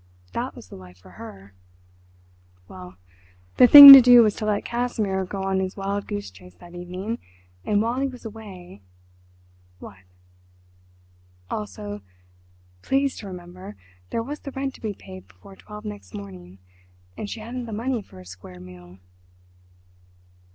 That was the life for her. Well, the thing to do was to let Casimir go on his wild goose chase that evening, and while he was away—What! Also—please to remember—there was the rent to be paid before twelve next morning, and she hadn't the money for a square meal.